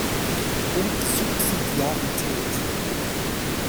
Um Subsidiarität.